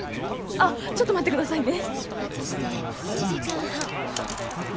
あっちょっと待ってくださいね